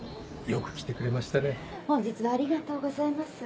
よく来てくれましたね。